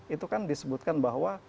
itu kan disebutkan bahwa